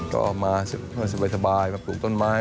ก็มาสบายปลูกต้นไม้